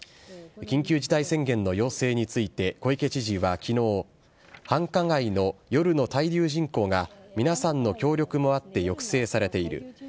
緊急事態宣言の要請について、小池知事はきのう、繁華街の夜の滞留人口が、皆さんの協力もあって抑制されている。